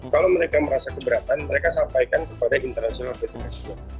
kalau mereka merasa keberatan mereka sampaikan kepada international fitri